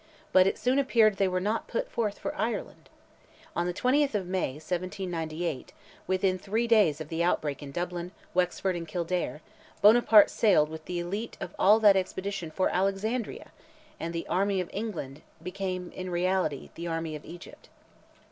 But it soon appeared they were not put forth for Ireland. On the 20th of May, 1798—within three days of the outbreak in Dublin, Wexford, and Kildare—Buonaparte sailed with the elite of all that expedition for Alexandria, and "the Army of England" became, in reality, "the Army of Egypt."